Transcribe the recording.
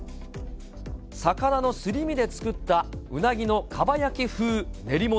魚のすり身で作ったうなぎのかば焼き風練り物。